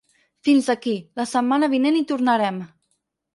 Fins aquí, la setmana vinent hi tornarem.